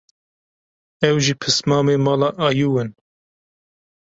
ew jî pismamê mala Ayiw in